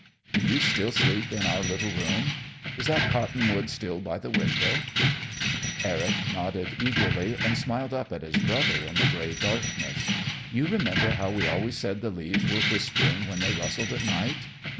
Do you still sleep in our little room? Is that cottonwood still by the window?" Eric nodded eagerly and smiled up at his brother in the gray darkness. "You remember how we always said the leaves were whispering when they rustled at night?